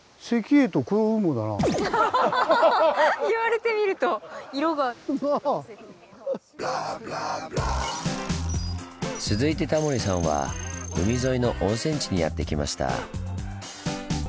言われてみると色が。なあ？続いてタモリさんは海沿いの温泉地にやって来ました。